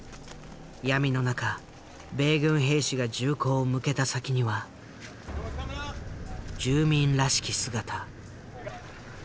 闇の中米軍兵士が銃口を向けた先には住民らしき姿。